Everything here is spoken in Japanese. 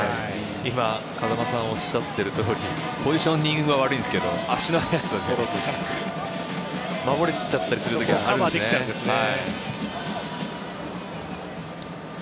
今、風間さんがおっしゃっているようにポジショニングは悪いんですけど足の速さで守れちゃったりする時があるんですね。